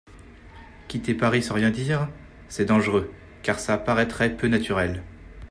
Quitter Paris sans rien dire ? C'est dangereux, car ça paraîtrait peu naturel.